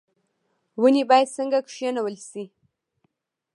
ونې باید څنګه کینول شي؟